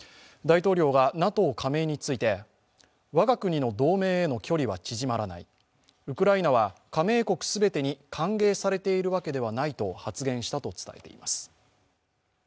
大統領がＮＡＴＯ加盟について、我が国の同盟への距離は縮まらない、ウクライナは、加盟国全てに歓迎されているわけではないと発言したと伝えています。